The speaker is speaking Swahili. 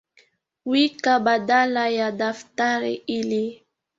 Wika badala ya daftari hili